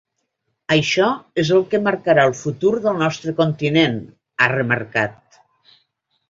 Això és el que marcarà el futur del nostre continent, ha remarcat.